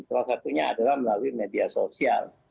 salah satunya adalah melalui media sosial